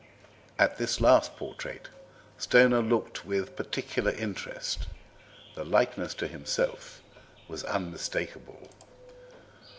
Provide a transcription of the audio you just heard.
At this last portrait Stoner looked with particular interest; the likeness to himself was unmistakable.